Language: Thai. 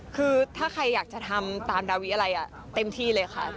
คือถ้าใครอยากจะทำตามดาวิอะไรเต็มที่เลยค่ะ